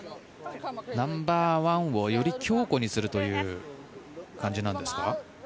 ナンバーワンをより強固にするという感じなんですか？